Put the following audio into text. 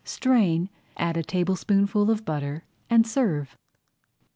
Strain, add a tablespoonful of butter, and serve.